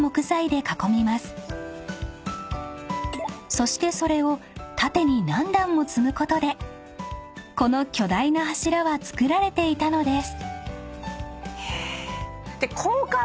［そしてそれを縦に何段も積むことでこの巨大な柱は造られていたのです］